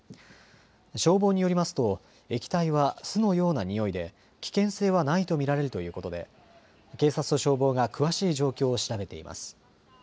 消防によりますと液体は酢のようなにおいで危険性はないと見られるということで警察と消防が詳しい状況を調べています。